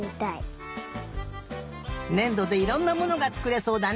ねんどでいろんなものがつくれそうだね。